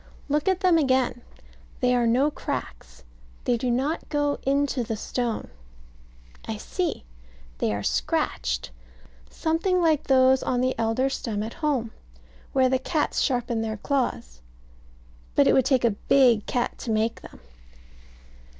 Look at them again; they are no cracks; they do not go into the stone. I see. They are scratched; something like those on the elder stem at home, where the cats sharpen their claws. But it would take a big cat to make them.